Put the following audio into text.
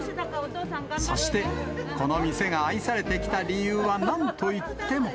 そして、この店が愛されてきた理由は、なんといっても。